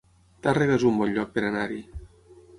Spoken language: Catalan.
Tàrrega es un bon lloc per anar-hi